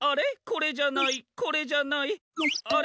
これじゃないこれじゃない。